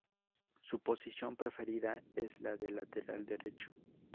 Su posición preferida es la de lateral derecho.